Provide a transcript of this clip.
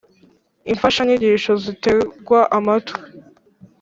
imfashanyigisho zitegwa amatwi,